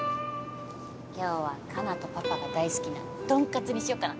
今日は花奈とパパが大好きなとんかつにしようかな？